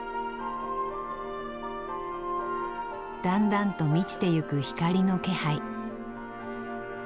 だんだんと満ちてゆく光の気配。